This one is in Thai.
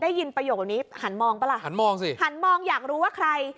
ได้ยินประโยคนี้หันมองหันมองอยากรู้ใคร